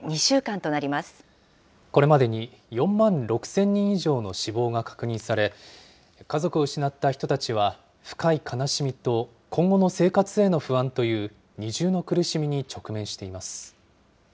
これまでに４万６０００人以上の死亡が確認され、家族を失った人たちは、深い悲しみと今後の生活への不安という、二重の苦しみに直面しています。